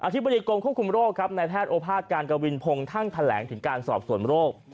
ธิบดีกรมควบคุมโรคครับในแพทย์โอภาษการกวินพงศ์ท่านแถลงถึงการสอบส่วนโรค